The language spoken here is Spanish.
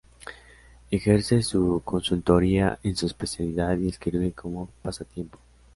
Ejerce su consultoría en su especialidad y escribe como pasatiempo.